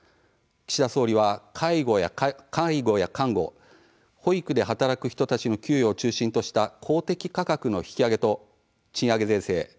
岸田総理は介護や看護保育で働く人たちの給与を中心とした公的価格の引き上げと賃上げ税制